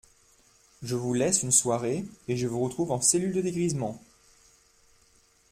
Je vous laisse une soirée et je vous retrouve en cellule de dégrisement !